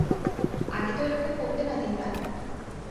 আগে তো এরকম পড়তে না দিনরাত?